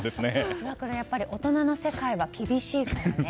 つば九郎、やっぱり大人の世界は厳しいんだね。